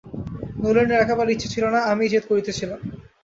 নলিনের একেবারেই ইচ্ছা ছিল না, আমিই জেদ করিতেছিলাম।